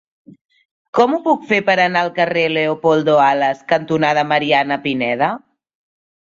Com ho puc fer per anar al carrer Leopoldo Alas cantonada Mariana Pineda?